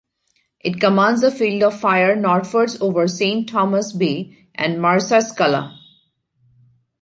It commands a field of fire northwards over Saint Thomas' Bay and Marsaskala.